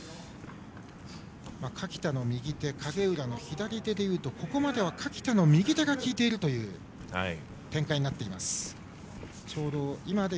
垣田の右手影浦の左手でいうとここまでは垣田の右手が効いているという展開です。